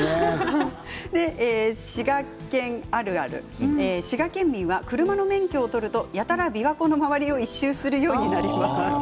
滋賀県あるある滋賀県民は車の免許を取るとやたら琵琶湖の周りを１周するようになります。